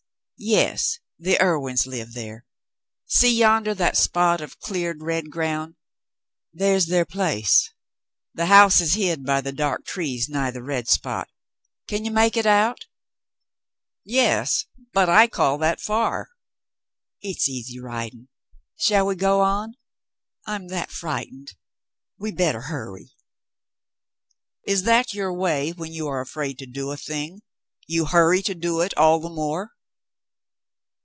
"Yes, the Irwins live there. See yonder that spot of cleared red ground ? There's their place. The house is hid by the dark trees nigh the red spot. Can you make it out?" "Yes, but I call that far." " It's easy riding. Shall we go on .^^ I'm that frightened — we'd better hurry." "Is that your way when you are afraid to do a thing; you hurry to do it all the more